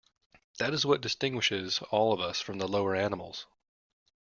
That is what distinguishes all of us from the lower animals.